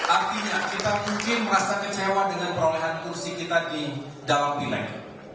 artinya kita mungkin merasa kecewa dengan perolehan kursi kita di dalam pileg